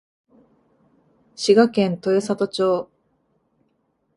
滋賀県豊郷町